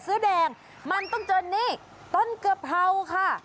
เสื้อแดงมันต้องเจอนี่ต้นกะเพราค่ะ